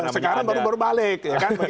sekarang baru baru balik